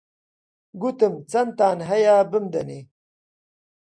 گوتم چەندتان هەیە بمدەنێ